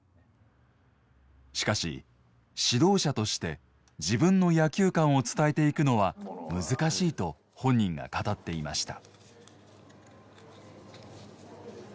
しかし指導者として自分の野球観を伝えていくのは難しいと本人が語っていました。